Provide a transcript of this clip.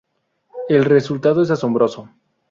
El resultado es asombroso.